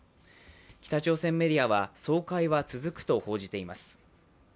北朝鮮メディアは総会は続くと報じています。